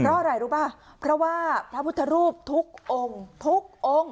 เพราะอะไรรู้ป่ะเพราะว่าพระพุทธรูปทุกองค์ทุกองค์